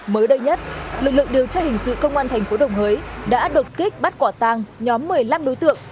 mới đây nhất lực lượng điều tra hình sự công an thành phố đồng hới đã đột kích bắt quả tang nhóm một mươi năm đối tượng